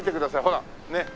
ほらねっ。